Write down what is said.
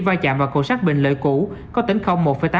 vai chạm vào cầu sắt bình lợi cũ có tỉnh không một tám m